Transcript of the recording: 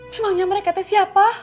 memangnya mereka teh siapa